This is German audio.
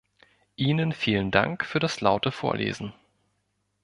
Ihnen vielen Dank für das laute Vorlesen.